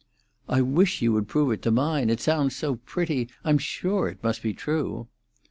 "I wish you would prove it to mine. It sounds so pretty, I'm sure it must be true."